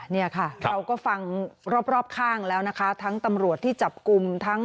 เนี่ยค่ะเราก็ฟังรอบข้างแล้วนะคะทั้งตำรวจที่จับกลุ่มทั้ง